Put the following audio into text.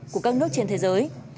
của các nước trên thế giới